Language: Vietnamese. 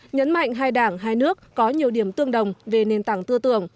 nhấn mạnh hai đảng hai nước có nhiều điểm tương đồng về nền tảng tư tưởng